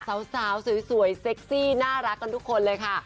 สาวสวยเซ็กซี่น่ารักกันทุกคนเลยค่ะ